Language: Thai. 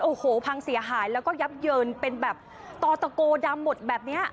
โอ้โหพังเสียหายแล้วก็ยับเยินเป็นแบบต่อตะโกดำหมดแบบนี้